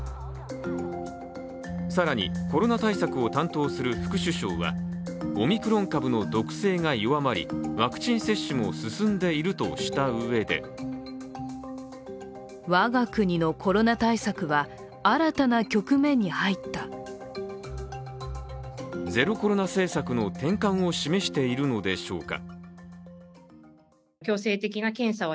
更にコロナ対策を担当する副首相はオミクロン株の毒性が弱まりワクチン接種も進んでいるとしたうえでゼロコロナ政策の転換を示しているのでしょうか。